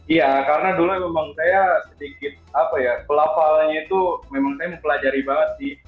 ya karena dulu memang saya sedikit pelakwalannya itu memang saya mau pelajari banget sih